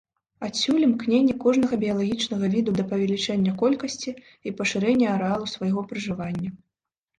Адсюль імкненне кожнага біялагічнага віду да павелічэння колькасці і пашырэння арэалу свайго пражывання.